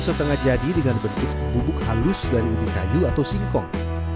setengah jadi dengan bentuk bubuk halus dari ubi kayu atau singkong